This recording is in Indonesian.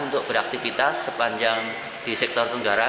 untuk beraktivitas sepanjang di sektor tenggara